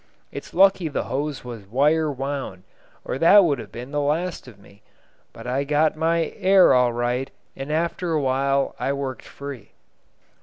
It's lucky the hose was wire wound, or that would have been the last of me. But I got my air all right, and after a while I worked free."